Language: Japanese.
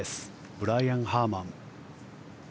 ブライアン・ハーマン。